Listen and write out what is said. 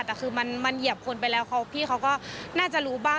แต่คือมันเหยียบคนไปแล้วพี่เขาก็น่าจะรู้บ้าง